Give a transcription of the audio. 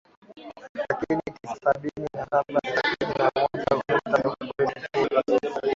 laki tisa sabini na saba na themanini na moja nukta sifuri sifuri